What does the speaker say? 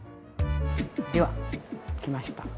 ではきました。